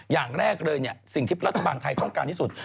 อย่างแรกเลยสิ่งที่รัฐบาลไทยต้องการที่สุด